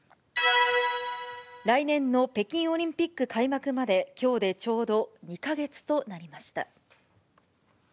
来年の北京オリンピック開幕まできょうでちょうど２か月となりました。